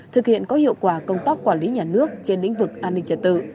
thực hiện có hiệu quả công tác quản lý nhà nước trên lĩnh vực an ninh trật tự